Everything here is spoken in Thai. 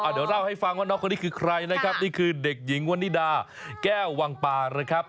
เดี๋ยวเล่าให้ฟังว่าน้องคนนี้คือใครนะครับนี่คือเด็กหญิงวันนิดาแก้ววังปานะครับ